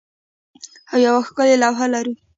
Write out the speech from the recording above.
او یوه ښکلې لوحه لرو